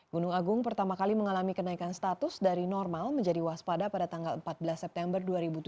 gunung agung pertama kali mengalami kenaikan status dari normal menjadi waspada pada tanggal empat belas september dua ribu tujuh belas